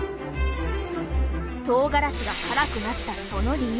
とうがらしが辛くなったその理由。